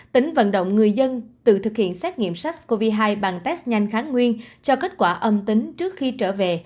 tính vận động người dân tự thực hiện xét nghiệm sars cov hai bằng test nhanh kháng nguyên cho kết quả âm tính trước khi trở về